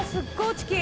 チキン！